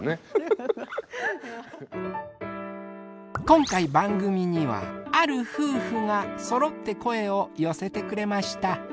今回番組にはある夫婦がそろって声を寄せてくれました。